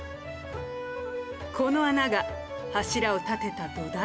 この穴が柱を建てた土台。